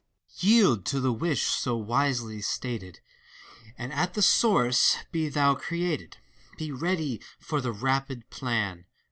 THALES. Yield to the wish so wisely stated. And at the source be thou created ! Be ready for the rapid plan